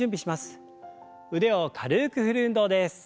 腕を軽く振る運動です。